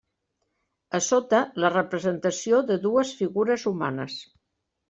A sota, la representació de dues figures humanes.